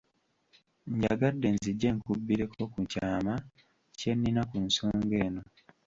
Njagadde nzije nkubbireko ku kyama kye nnina ku nsonga eno.